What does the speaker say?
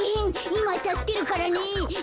いまたすけるからね。